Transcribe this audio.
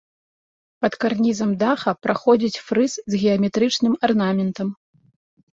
Пад карнізам даха праходзіць фрыз з геаметрычным арнаментам.